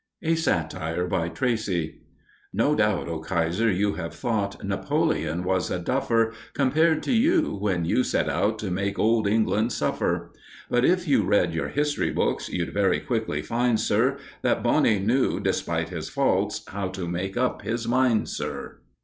A SATIRE BY TRACEY No doubt, O Kaiser, you have thought Napoleon was a duffer Compared to you, when you set out To make Old England suffer. But if you read your history books, You'll very quickly find, Sir, That Boney knew, despite his faults, How to make up his mind, Sir.